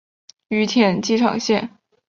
羽田机场线